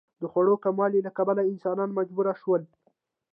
د خوړو کموالي له کبله انسانان مجبور شول.